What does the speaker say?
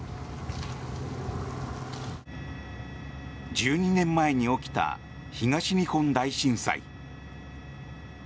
１２年前に起きた東日本大震災。